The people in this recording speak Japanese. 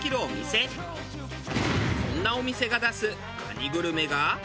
そんなお店が出す蟹グルメが。